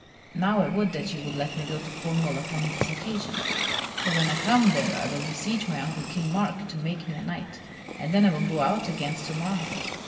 Now I would that you would let me go to Cornwall upon this occasion. For when I come there I will beseech my uncle King Mark to make me a knight, and then I will go out against Sir Marhaus.